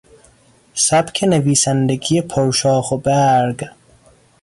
سبک نویسندگی پر شاخ و برگ